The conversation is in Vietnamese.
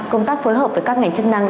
công tác phối hợp với các ngành chức năng